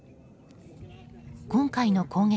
今回の攻撃